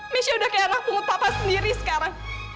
mesya udah kayak anak bungut papa sendiri sekarang